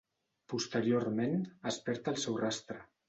Posteriorment es perd el seu rastre.